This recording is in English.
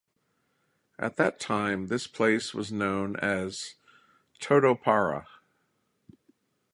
At that time this place was known as "Totopara".